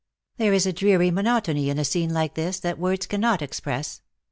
" There is a dreary monotony in a scene like this, that words cannot express.